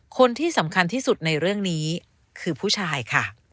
คนที่สำคัญที่สุดในเรื่องนี้คือผู้ชายค่ะ